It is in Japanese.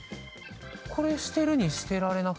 これ捨てるに捨てられなくて。